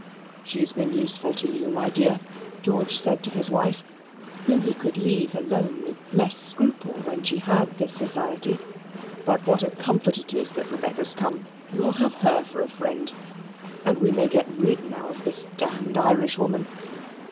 "She's been useful to you, my dear," George said to his wife, whom he could leave alone with less scruple when she had this society. "But what a comfort it is that Rebecca's come: you will have her for a friend, and we may get rid now of this damn'd Irishwoman."